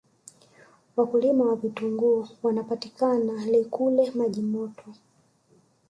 wakulima wa vitunguu wanapatika likule majimoto